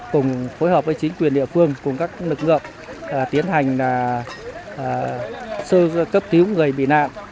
cùng phối hợp với chính quyền địa phương cùng các lực lượng tiến hành cấp thiếu người bị nạn